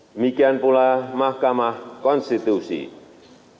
demikian pula mahkamah konstitusional